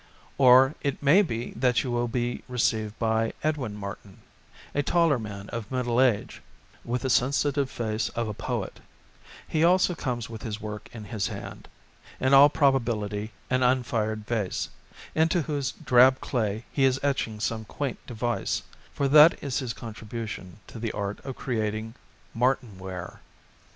Or it may be that you will be received by Edwin Martin, a taller man of middle age, with the sensitive face of a poet ; he also comes with his work in his hand : in all probability an unfired vase, into whose drab clay he is etching some quaint device ; for 169 ALL MANNER OF FOLK that is his contribution to the art of creating Martinware.